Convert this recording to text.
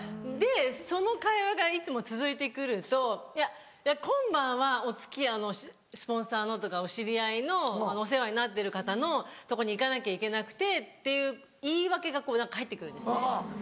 でその会話がいつも続いて来ると今晩はお付き合いスポンサーのとかお知り合いのお世話になってる方のとこに行かなきゃいけなくてっていう言い訳が入って来るんですね。